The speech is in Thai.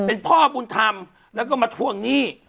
เป็นพ่อบุญธรรมแล้วก็มาทวงหนี้